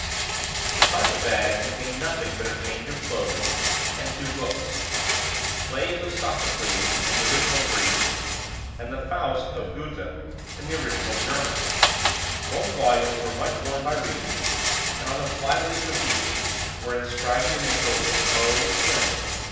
The carpet bag contained nothing but a change of clothing, and two books the Plays of Sophocles, in the original Greek, and the "Faust" of Goethe, in the original German. Both volumes were much worn by reading, and on the fly leaf of each were inscribed the initials O. M.